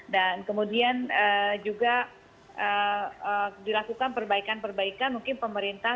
dan kemudian juga dilakukan perbaikan perbaikan mungkin pemerintah